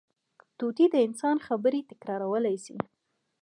طوطي د انسان خبرې تکرارولی شي